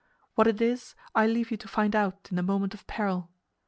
What it is I leave you to find out in the moment of peril.